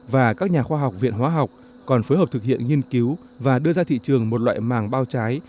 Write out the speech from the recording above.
và các nhà khoa học viện hóa học còn phối hợp thực hiện nghiên cứu và đưa ra thị trường một loại màng bao trái